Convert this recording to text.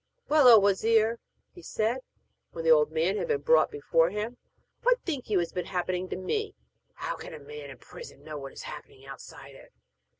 'Well, O wazir!' he said, when the old man had been brought before him, 'what think you has been happening to me?' 'How can a man in prison know what is happening outside it?'